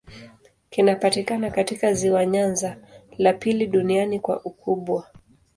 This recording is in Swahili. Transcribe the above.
Kinapatikana katika ziwa Nyanza, la pili duniani kwa ukubwa.